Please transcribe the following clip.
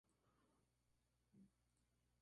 El hombre está hecho en la historia.